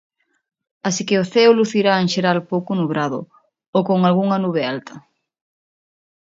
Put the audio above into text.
Así que o ceo lucirá en xeral pouco nubrado, ou con algunha nube alta.